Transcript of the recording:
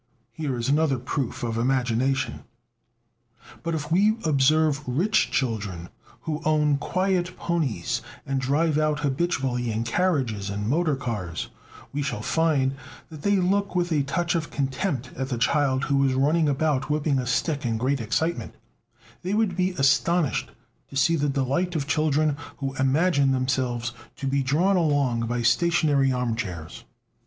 Here is another proof of "imagination." But if we observe rich children, who own quiet ponies, and drive out habitually in carriages and motor cars, we shall find that they look with a touch of contempt at the child who is running about whipping a stick in great excitement; they would be astonished to see the delight of children who imagine themselves to be drawn along by stationary armchairs.